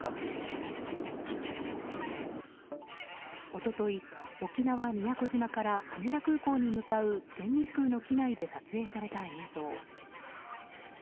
一昨日、沖縄・宮古島から羽田空港に向かう全日空の機内で撮影された映像。